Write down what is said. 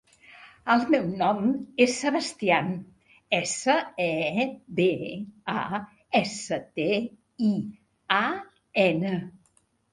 El meu nom és Sebastian: essa, e, be, a, essa, te, i, a, ena.